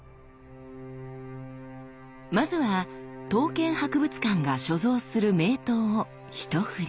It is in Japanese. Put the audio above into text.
まずは刀剣博物館が所蔵する名刀をひとふり。